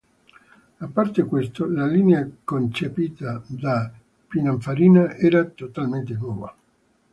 A parte questo, la linea concepita da Pininfarina era totalmente nuova.